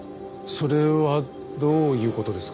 それはどういう事ですか？